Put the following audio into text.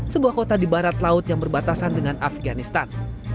sebuah kota di barat laut yang berbatasan dengan afganistan